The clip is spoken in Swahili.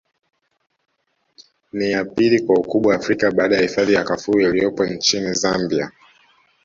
Ni ya pili kwa ukubwa Afrika baada ya hifadhi ya Kafue iliyopo nchini Zambia